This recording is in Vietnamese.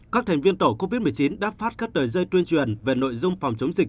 các thành viên tổ covid một mươi chín đã phát các tờ rơi tuyên truyền về nội dung phòng chống dịch